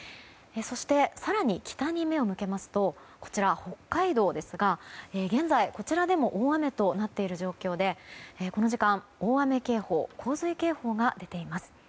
更に北に目を向けますと北海道ですが、現在こちらでも大雨となっている状況でこの時間、大雨警報洪水警報が出ています。